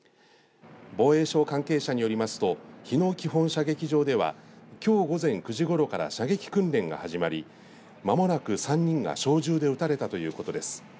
防衛省関係者によりますと日野基本射撃場ではきょう午前９時ごろから射撃訓練が始まりまもなく３人が小銃で撃たれたということです。